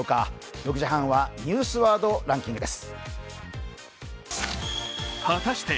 ６時半はニュースワードランキングです。